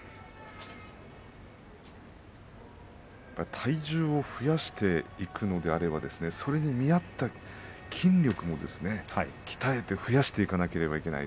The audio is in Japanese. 体重を増やしていくのであればそれに見合った筋力も鍛えて増やしていかなければいけません。